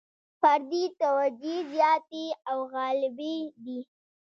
فردي توجیې زیاتې او غالبې دي.